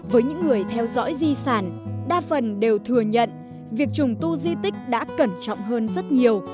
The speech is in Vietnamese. với những người theo dõi di sản đa phần đều thừa nhận việc trùng tu di tích đã cẩn trọng hơn rất nhiều